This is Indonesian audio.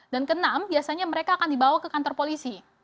dan ke enam biasanya mereka akan dibawa ke kantor polisi